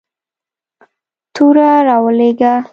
توره را ولېږل.